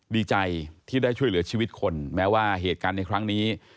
ดีใจที่ได้ช่วยเหลือชีวิตคนแม้ว่าเหตุการณ์ในครั้งนี้